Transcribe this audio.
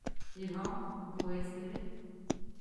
Eh ben ! on pourrait espérer.